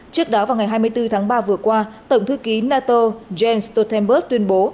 trước đó vào ngày hai mươi bốn tháng ba vừa qua tổng thư ký nato jens stoltenberg tuyên bố